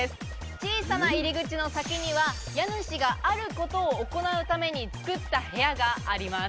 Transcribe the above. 小さな入り口の先には家主があることを行うために作った部屋があります。